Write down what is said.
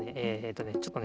ちょっとね